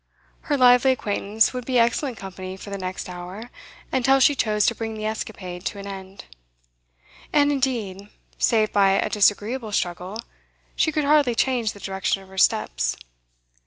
Her lively acquaintance would be excellent company for the next hour, until she chose to bring the escapade to an end. And indeed, save by a disagreeable struggle, she could hardly change the direction of her steps.